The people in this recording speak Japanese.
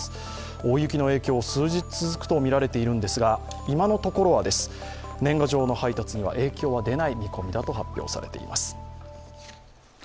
大雪の影響、数日続くとみられているんですが今のところは年賀状の配達には影響は出ない見込みだと発表されています。